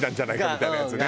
みたいなやつね。